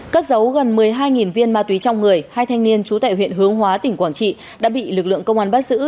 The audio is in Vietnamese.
cất giấu gần một mươi hai viên ma túy trong người hai thanh niên trú tại huyện hướng hóa tỉnh quảng trị đã bị lực lượng công an bắt giữ